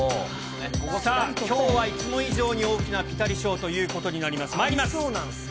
さあ、きょうはいつも以上に、大きなピタリ賞ということになります。